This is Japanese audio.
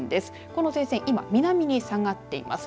この前線今、南に下がっています。